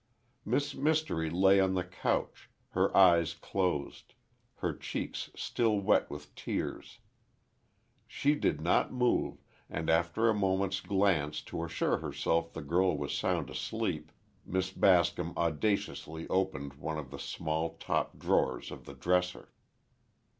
Miss Mystery lay on the couch, her eyes closed, her cheeks still wet with tears. She did not move, and after a moment's glance to assure herself the girl was sound asleep, Miss Bascom audaciously opened one of the small top drawers of the dresser.